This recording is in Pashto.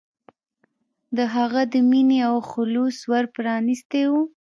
د هغه د مینې او خلوص ور پرانستی و.